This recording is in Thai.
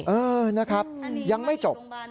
เออนะครับยังไม่จบ